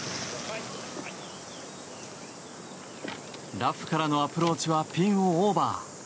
ラフからのアプローチはピンをオーバー。